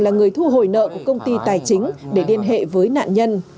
là người thu hồi nợ của công ty tài chính để liên hệ với nạn nhân